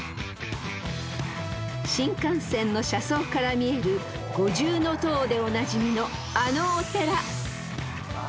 ［新幹線の車窓から見える五重塔でおなじみのあのお寺］